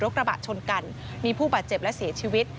กระบะชนกันมีผู้บาดเจ็บและเสียชีวิต